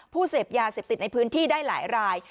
เสพยาเสพติดในพื้นที่ได้หลายราย